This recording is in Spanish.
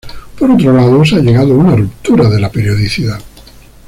Por otro lado, se ha llegado a una ruptura de la periodicidad.